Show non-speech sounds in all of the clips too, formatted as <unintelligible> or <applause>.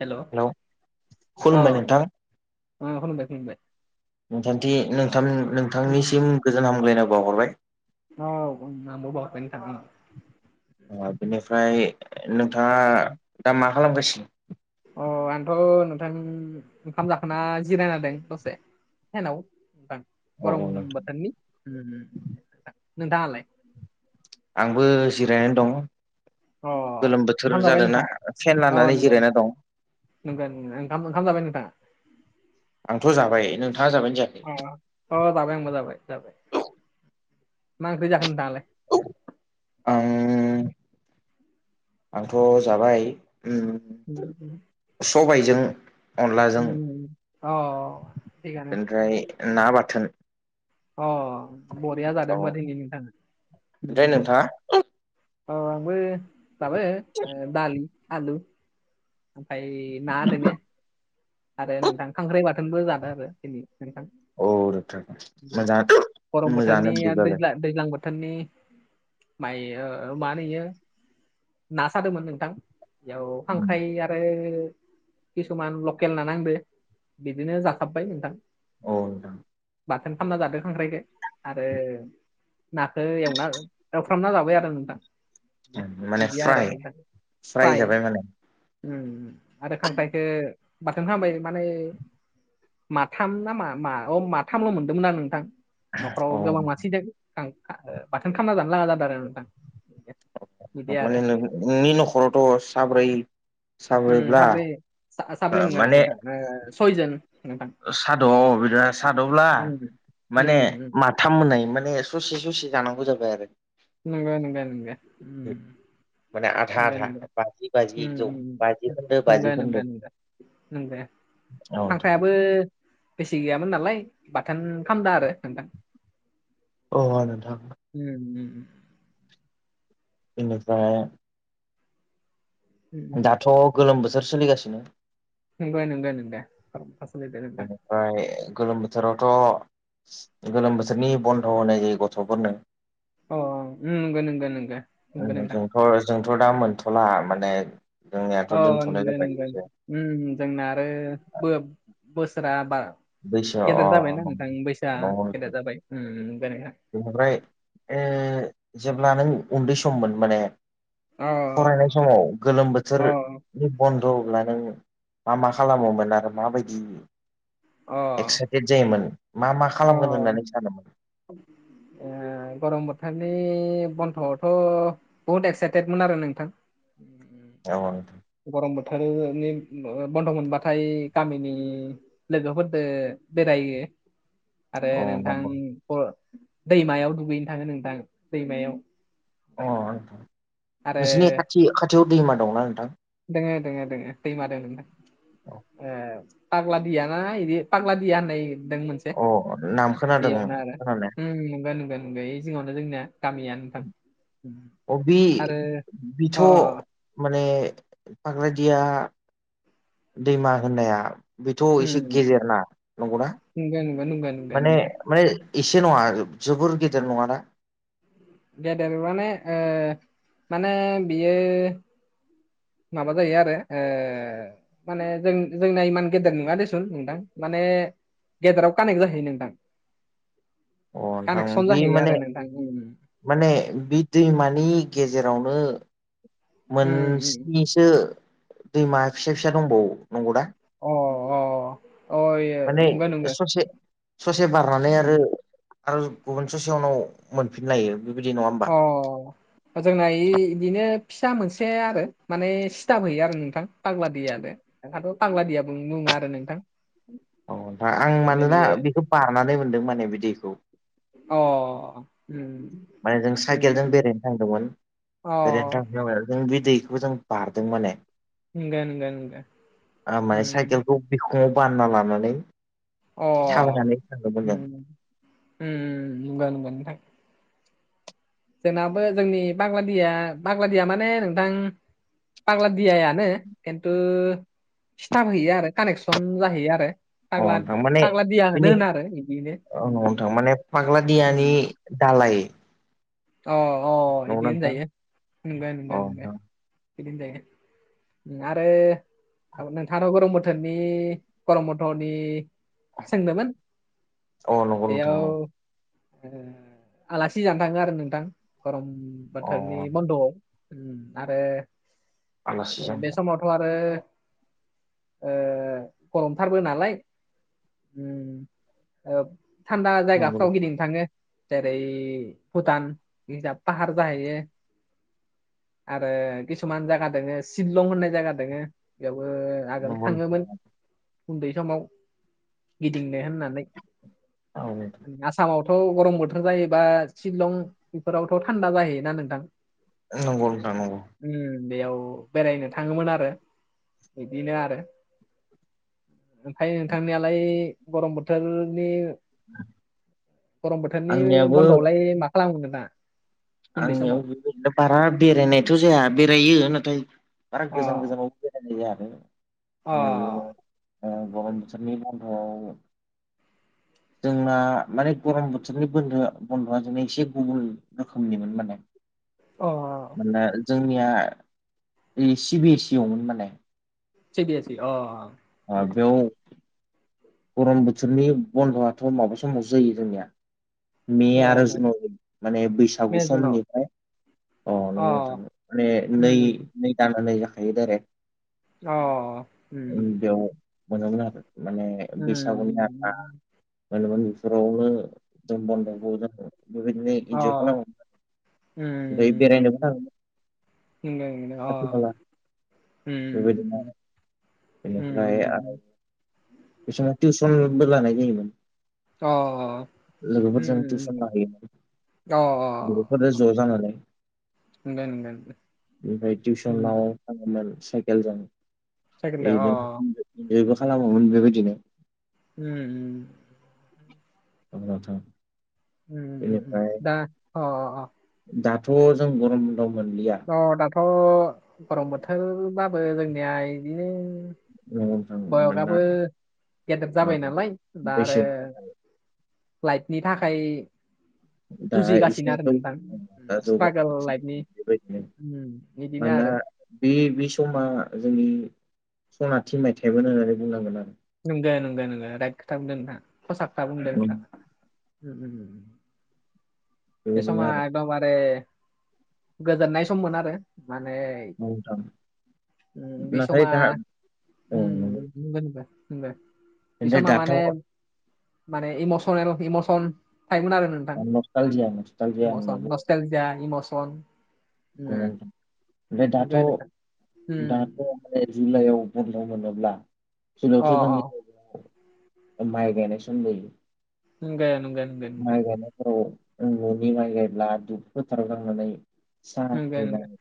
हेल' अ मा हेलौ खुलुमबाय नोंथां खालामबाय हादो नोंलाय नोंथांथि नोंथां नोंथांनिसिम गोजोन हामग्लायनाय बावहरबाय औ <unintelligible> बेनिफ्राय नोंथांङा दा मा खालामगासिनो अ आंथ' नोंथां ओंखाम जाखोना जिरायनादों दसे हेलौ <unintelligible> औ गरम औ नोंथां बोथोरनि ओम नोंथाङालाय आंबो जिरायनानै दंङ अ गोलोम बोथोर ओंखाम जाबाय जादों ना नोंथाङा फेन अ लानानै नंगौ जिरायना नंगौ दं। <unintelligible> ओंखाम जाबाय नोंथांङा आंथ' जाबाय नोंथांङा जाबायानो जायाखै। अ अ जाबाय आंबो जाबाय जाबाय मा ओंख्रि जाखो नोंथांङालाय आं आंथ' जाबाय ओम <unintelligible> सबायजों अनलाजों अ थिगानो बेनिफ्राय ना बाथोन अ बरिया औ जादों दिनै नोंथांङा ओमफ्राय नोंथाङा अ आंबो जाबाय दालि आलु ओमफ्राय ना दोङो आरो नोंथां खांख्राइ बाथोनबो जादों आरो दिनै नोंथां औ नोंथां मोजां गरम मोजाङानो बोथोरनि <unintelligible> बिदिब्लालाय दैज्लां बोथोरनि माइ ओ मा ओनोयो ना सादोंमोन नोंथां बेयाव खांख्राइ आरो किसुमान ल लकेल ना नांदो बिदिनो जाखाबबाय नोंथां औ नोंथां बाथोन खालामामना जादों खांख्राइखौ आरो नाखो एवना हो खालामना जाबाय आरो नोंथां माने बिदिया आरो फ्राय नोंथां फ्राय जाबाय माने ओम आरो खांख्राइखो बाथोन खालामामबाय माने माथाम ना मा मा अ माथामल' मोनदोंमोन आं नोंथां न'खराव गोबां अ मानसि दों बाथोन खालामामना जानो लागा जादों आरो नोंथां बिदि आरो माने नोंनि न'खरावथ' साब्रै उम साब्रैब्ला साब्रै साब्रै नङा माने नोंथां ओ सयजन साद' बिदि साद'ब्ला उम माने उम उम मा साथाम मोनाय माने ससे ससे जानांगौ जाबाय आरो नंगो नंगो ओम माने आधा आधा नंगो बाजि बाजि जौ नंगो ओम बाजि ओम खोन्दो बाजि नंगो खोन्दो नंगो नंगो औ नोंथां खांख्रायाबो बेसि गैयामोन नालाय बाथोन खामदो आरो नोंथां अ अ नोंथां ओम ओम बेनिफ्राय उम दाथ' गोलोम बोथोर सोलिगासिनो नंगो नंगो <unintelligible> ओमफ्राय गोलोम बोथोरावथ' गोलोम बोसोरनि बन्द' होनाय जायो गथ'फोरनो अ नंगो नंगो नंगो नंगो नोंथां जोंथ' जोंथ' दा मोनथ'ला माने जोंनियाथ' दोनथ'नाय जाबाय एसे ओम जोंना आरो बो-बोसोरा बा बैसो अ गेदार जाबायना नोंथां बैसा अ गेदार जाबाय ओम जाबायना बेनिफ्राय ओ जेब्ला नों उन्दै सममोन माने अ फरायनाय समाव गोलोम अ बोथोरनि बन्द'ब्ला नों मा मा खालामोमोन आरो माबायदि अ एक्साइटेड जायोमोन मा मा खालामगोन होननानै सानोमोन ए गरम बोथोरनि बन्द'आवथ' बहुत एक्साइटेदमोन आरो नोंथां। औ औ। गरम बोथोरनि बन्द' मोनबाथाय गामिनि लोगोफोरदो बेरायो। आरो औ नोंथां नंगौ दैमायाव दुगैनो थाङो नोंथां दैमायाव। अह नोंथां। आरो नोंसिनि खाथि खाथियाव दैमा दंना नोंथां? दोङो दोङो दोङो दैमा दों नोंथां। ओ पाग्ला दियाना बिदि पाग्ला दिया होननायदों मोनसे से अ नाम खोनादों बेयावनो आरो। खोनानाया उम नुगोन नुगोन। बै जिङावनो जोंनिया गामिया नोंथां। अ बि आरो अ बिथ' अ माने फाग्ला दिया दैमा होननाया बेथ' उम एसे गेजेरना नंगौना नंगौ नंगौ नंगौ नंगौ माने नंगौ माने एसे नङा जोबोर गेदेर नङाना? गेदेर माने माने बेयो माबा जायो आरो ओ माने जों-जोंना इमान गेदेर नङा देसुन नोंथां माने गेदेराव कानेक्ट जाहैयो नोंथां अ नोंथां कानेक्सन बे जाहैयो माने आरो नोंथां। माने बि दैमानि गेजेरावनो उम उम मोनस्निसो दैमा फिसा फिसा दंबावो नंगौ दा? अ अ माने नंगौ नंगौ स ससे ससे बारनानै आरो आरो गुबुन ससे उनाव मोनफिनलायो। बिबादि नङा होमबा अह। जोंना इ-इबिदिनो फिसा मोनसे आरो माने सिथाब हैयो आरो नोंथां पाग्ला दैयानो। ओंखायथ' पाग्लादिया नुङाबो आरो नोंथां। अ आं माने मानोना बियो बेखौ बानानै मोनदों माने बि दैखौ। अह उम। माने जों साइकेलजों उम बेरायहनो थांदोंमोन बेरायनो अ थांनायनि जों बे दैखौबो जों बारदों माने। नंगो नंगो नंगो। बिखङाव बानना लानानै अ थाबायनानै थाङोमोननो। ओम नंगो नंगो नोंथां। जोंनाबो जोंनि फाग्लादिया फाग्लादिया माने नोंथां पाग्ला दियायानो खिन्थु सिथाफ हैयो आरो कानेक्सन जाहैयो आरो। अह फाग्ला नोंथां माने फाग्ला दियाखौनो बिनि होनो आरो बिदिनो औ नोंथां माने फाग्ला दियानि दालाय? अह अह इदि नंगौना नोंथां होनजायो नंग नंग नंग बिदिनो जायो। आरो नोंथाङाथ' गरम बोथोरनि गरम बन्द'नि सोंनोमोन? अ नोंथां अ नंगौ नोंथां बेयाव नंगौ आलासि जानो थाङो आरो नोंथां गरम अ बोथोरनि बन्द'आव। आलासि आरो बे जानाय समावथ' आरो ओ गरमथारबो नालाय। उम ओ थान्दा नंगौ जायगाफ्राव गिदिंनो थाङो जेरै भुटान बिजा पाहार जाहैयो। आरो किसुमान जायगा दोङो शिललं होननाय जायगा दोङो बेयावबो आगोल नंगौ थाङोमोन उन्दै समाव गिदिंनो होननानै। नोंथां औ नोंथां आसामावथ' गरम बोथोर जायोबा शिलं बेफोरावथ' थान्दा जाहैयोना नोंथां। नंगौ नोंथां नंगौ। ओम बेयाव बेरायनो थाङोमोन आरो बिदिनो आरो। ओमफ्राय नोंथांनियालाय गरम बोथोरनि गरम बोथोरनि आंनियाबो बन्द'आवलाय मा खालामगोन दा आंनियाव बेनो बारा बेरायनायथ' जाया बेरायो नाथाय बारा अ गोजान गोजानाव बेरायनाय जायानो अ आंना बेयावनो गरय बोथोरनि दान्थाव <unintelligible> जोंना माने गरम बोथोरनि ब बन्द'आ जोंनो एसे गुबुनोम <unintelligible> रोखोमनिमोन माने अ' माने जोंनिया ओ सि बि ए सि आवमोन माने <unintelligible> सि बि ए सि अ <unintelligible> ओ बेयाव गरम बोथोरनि बन्द'आथ' माबा समावसो जायो जोंनिया मे आरो जुन अ आव माने बैसागु मेजुनाव समनिफ्राय अ' नोंगौ नोंथां माने उम नै दाननै जाखायो दारेक्ट अ उम बेयाव मोनोमोन आरो माने बैसागुनि आसा उम मोनोमोन बेफोरावनो बन्द बयजोंबो इनजय अ खालामो दै बेरायनोबो थां न ओम बेबायदिनो बेनिफ्राय ओम - आरो <unintelligible> बे समाव टिउसनबो लानाय जायोमोन। अ लोगोफोरजों उम टिउसन लाायो। अ' अ' बे'फोरो ज' जाय नंदों नंदों ओमफ्राय उम टिउसनाव <unintelligible> खालामोमोन साइकेलजों साइकेलदो बेनो अ जबो खालामोमोन बेबायदिनो <unintelligible> उम‌ थ' उम उम बेनिफ्राय दा अ अ दाथ' जों गरमन्दाव मोनलिया अ दाथ' गरम बोथोरबाबो जोंनिया बिदि नंगौ नोंथां मानोना बयगआबो गेदेर जाबाय ओ नालाय दा आरो बैसोनि थाखाय लाइटनि थाखाय दा एसे जुजिगासिनो आरो जौ नोंथां दा स्ट्रागोल जौगालांगासिनो दं लाइफनि बेबायदिनो बिदिनो मानोना आरो बे बे समा जोंनि सना थिन मायथाइमोन होननानै बुंनांगोन आरो। नंगौ नंगौ नंगौ राइट खोथा बुंदों नोंथां हसा खोथा बुंदों नोंथां। बे बेबायदिनो समा आरो एकदमबारे गोजोननाय सममोन आरो माने नोंथां बि नाथाय समा दा औ नंगौ उम बे ओमफ्राय समा दाथ' माने माने इमसनेल इमसन थटाइपमोन आरो नोंथां लकाल जया म <unintelligible> इमसन नस् जा इमसन <unintelligible> उम, ओमफ्राय दाथ' नंगौ नोंथां दाथ' उम, मे जुलाइआव बन्द' मोनोब्ला अ जुलायावथ' अ जोंनि जायगायाव माइ गायनाय सों ल <unintelligible> गाया नों ग <unintelligible> माइ गायनायफोराव न'नि माइ गायब्ला दु फोथाराव नांनानै सान नंगो नंगो <unintelligible>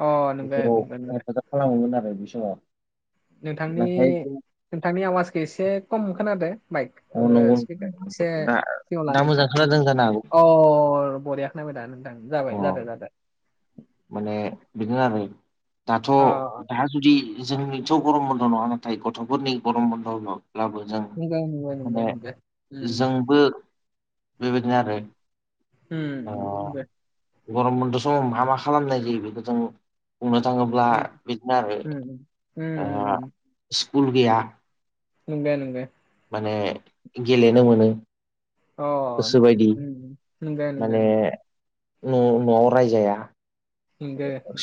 अ नंगो ाव नंगो नंगो हेफाजाब खालामोमोन आरो बे समाव <unintelligible> नोंथांनि नाथाय जों नोंथांनि आवाजखौ एसे खम खोनादो <unintelligible> अ ओ- नंगौ स नोंथां एसे नंगौ। दा सिङाव दा लानो मोजां नोंथाङ खोनादों जानो हागौ अ बरिया <unintelligible> खोनाय दा नोंथां जाबाय जादों अ जादों। माने बिदिनो आरो दाथ' अ दा जुदि जोंनिथ' गरम बन्द' नङा नाथाय गथ'फोरनि गरम बन्दब्लाबो जों नंगो नंगो नंगो माने नंगो जोंबो बेबायदिनो आरो ओ ओम <unintelligible> गरम बन्द' समाव मा मा खालामनाय जायो बेखौ जों बुंनो थाङोब्ला उम बिदिनो आरो उम उम ओ उम स्कुल गैया। नोंगो नोंगो। माने गेलेनो मोनो। अ नोंगो आओम गोसोबायदि ओम नोंगो नोंगो माने नोंगो। न' न'आव रायजाया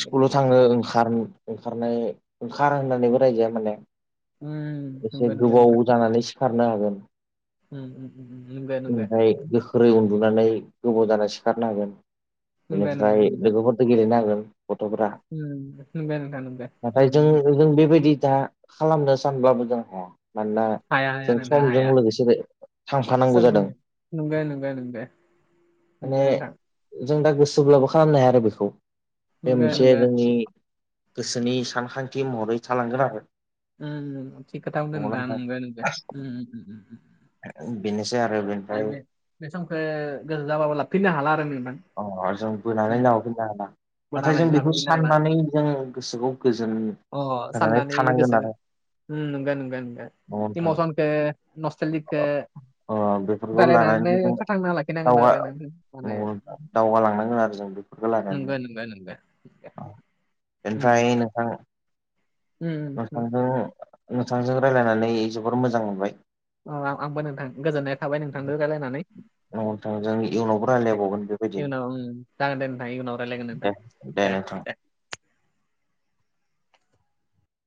स्कुलाव थांनो नंगो ओंखार ओंखारनाय ओंखार होननानैबो रायजाया नालाय। उम उम एसे नंगो गोबाव नोंथां जानानै सिखारनो हागोन। उम उम नंगो नंगो ओमफाय गोख्रै उन्दुनानै गोबाव जाना सिखारनो हागोन। नंगो नंगो बेनिफ्राय नंगो लोगोफोरदो गेलेनो हागोन। गथ'फ्रा उम, नंगौ नोंथां नंगौ नाथाय जों उम, बेजों बेबायदि दा खालामनो सानब्लाबो जों हाया मानोना हाया हाया जों नोंथां समजों हाया लोगोसे थांफानांगौ जों जादों नोंगो नोंगो नोंगो। माने नोंगो नोंथां। जों दा गोसोब्लाबो खालामनो हाया आरो बेखौ। बे नंगौ मोनसे नंगौ जोंनि गोसोनि सानखांथि महरै थालांगोन आरो। ओम थिख खोथा बुंदों नंगौना नोंथाङा नोंगो नोंगो ओम ओम ओम। ओ बेनोसै आरो बे आरो बे समखो गोसो जाबाबो लाबोफिननो हाला आरो नोंथां। अ जों बोनानै लाबोफिननो हाया। नाथाय जों बोनानैनो बेखौ लाबोफिननो हाला साननानै जों गोसोखौ गोजोन होनानै थानांगोन आरो। ओम नोंगो नोंगो नोंगो नंगौ नोंथां इमसनखो नस्टलिकखो अ बे बेफोरखौ लानानैनो जों लाखिनांगोन दावगा आरो नों माने दावगालांनांगोन आरो जों बेव। नोंगो नोंगो नोंगो नोंगो। अ एमफ्राय नोंथां उम, उम, नोंथांजों नोंथांजों रायलायनानै जोबोर मोजां मोनबाय। ओ आंबो नोंथां, गोजोननाय थाबाय नोंथांजों रायज्लायनानै। नोंथांजों इयुनावबो रायलायबावगोन बेबायदिनो इयनाव ओं जागोन दे नोंथां इयुनाव रायजलायगोन नोंथां दे दे। नोंथां